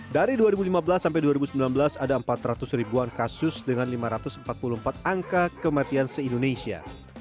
dari dua ribu lima belas sampai dua ribu sembilan belas ada empat ratus ribuan kasus dengan lima ratus empat puluh empat angka kematian se indonesia